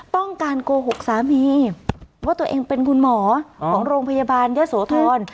ต้องการโกหกสามีว่าตัวเองเป็นคุณหมอของโรงพยาบาลเยอะโสธร